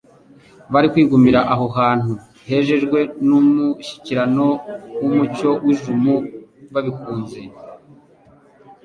Bari kwigumira aho hantu hejejwe n'umushyikirano w'umucyo w'ijmu babikunze,